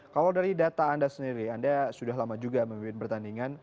kalau dari data anda sendiri anda sudah lama juga memimpin pertandingan